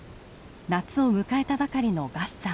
夏を迎えたばかりの月山。